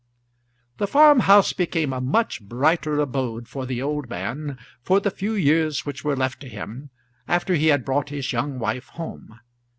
The farm house became a much brighter abode for the old man, for the few years which were left to him, after he had brought his young wife home.